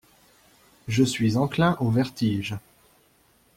Je suis enclin au vertige.